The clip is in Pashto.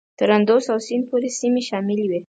تر اندوس او سیند پورې سیمې شاملي وې.